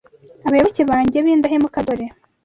'Abayoboke banjye b'indahemuka, dore!